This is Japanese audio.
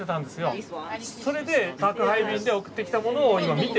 それで宅配便で送ってきたものを今見てる。